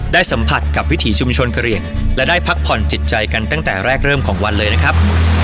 สัมผัสกับวิถีชุมชนกระเหลี่ยงและได้พักผ่อนจิตใจกันตั้งแต่แรกเริ่มของวันเลยนะครับ